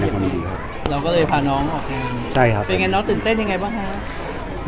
น้องตื่นเต้นยังไงบ้าง